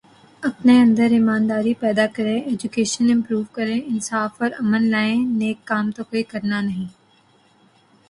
اپنے اندر ایمانداری پیدا کریں، ایجوکیشن امپروو کریں، انصاف اور امن لائیں، نیک کام تو کوئی کرنا نہیں